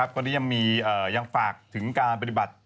ก็ยังมียังฝากถึงการปฏิบัติ